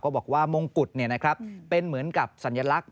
บอกว่ามงกุฎเป็นเหมือนกับสัญลักษณ